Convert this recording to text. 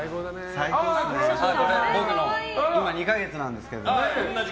僕の、今２か月なんですけど。